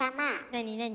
何何？